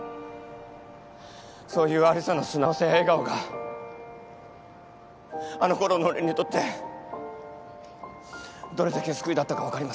そういう有沙の素直さや笑顔があのころの俺にとってどれだけ救いだったか分かりません。